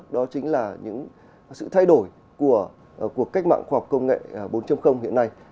đó chính là những sự thay đổi của cách mạng khoa học công nghệ bốn hiện nay